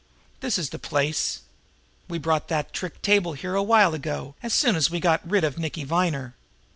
This is the place. We brought that trick table here a while ago, as soon as we had got rid of Nicky Viner.